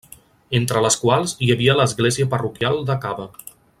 Entre les quals hi havia l'església parroquial de Cava.